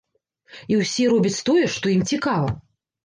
І ўсе робяць тое, што ім цікава.